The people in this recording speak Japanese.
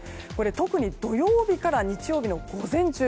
特に土曜日から日曜日の午前中